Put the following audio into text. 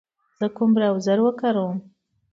زه کوم براوزر و کاروم